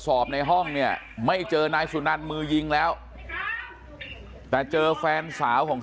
ในห้องเนี่ยไม่เจอนายสุนันมือยิงแล้วแต่เจอแฟนสาวของ